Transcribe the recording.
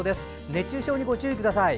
熱中症に、ご注意ください。